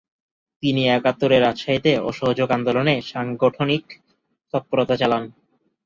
তিনি একাত্তরে রাজশাহীতে অসহযোগ আন্দোলনে সাংগঠনিক তৎপরতা চালান।